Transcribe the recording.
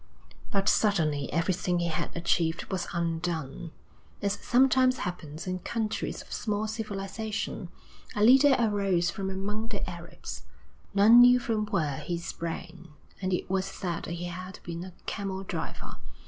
But suddenly everything he had achieved was undone. As sometimes happens in countries of small civilisation, a leader arose from among the Arabs. None knew from where he sprang, and it was said that he had been a camel driver.